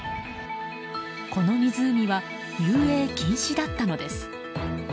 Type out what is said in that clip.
この湖は、遊泳禁止だったのです。